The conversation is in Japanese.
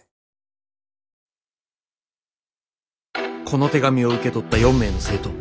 「この手紙を受け取った４名の生徒」。